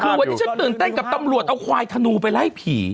คือวันนี้ฉันตื่นเต้นกับตำรวจเอาควายธนูไปไล่ผี